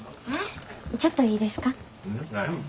ちょっといいですか？